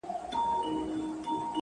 زړه وه زړه ته لاره لري’